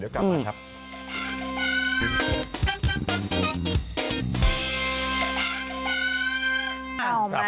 เดี๋ยวกลับมาครับ